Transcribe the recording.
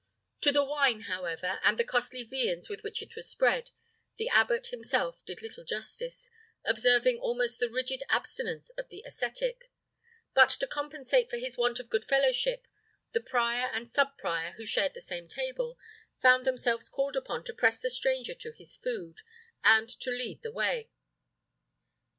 To the wine, however, and the costly viands with which it was spread, the abbot himself did little justice, observing almost the rigid abstinence of an ascetic; but to compensate for his want of good fellowship, the prior and sub prior, who shared the same table, found themselves called upon to press the stranger to his food, and to lead the way.